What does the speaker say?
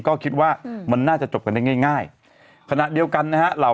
ก็คิดว่ามันน่าจะจบกันได้ง่ายขณะเดียวกันนะฮะเหล่า